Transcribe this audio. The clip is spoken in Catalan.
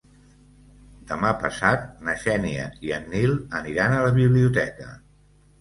Demà passat na Xènia i en Nil aniran a la biblioteca.